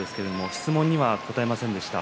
質問には答えませんでした。